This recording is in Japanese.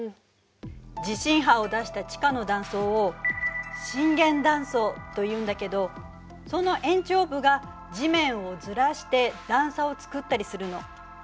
地震波を出した地下の断層を「震源断層」というんだけどその延長部が地面をずらして段差をつくったりするの。